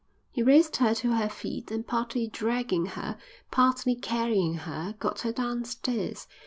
He raised her to her feet and partly dragging her, partly carrying her, got her downstairs.